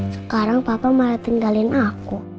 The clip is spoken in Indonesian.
sekarang papa malah tinggalin aku